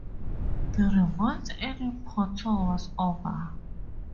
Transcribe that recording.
The revolt in Porto was over.